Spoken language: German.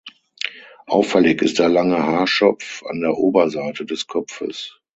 Auffällig ist der lange Haarschopf an der Oberseite des Kopfes.